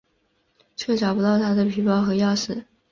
却找不到她的皮包和钥匙。